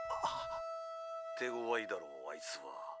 手ごわいだろあいつは。